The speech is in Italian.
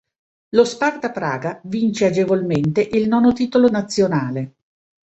Lo Sparta Praga vince agevolmente il nono titolo nazionale.